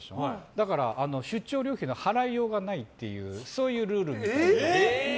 だから、出張料金の払いようがないっていうそういうルールなので。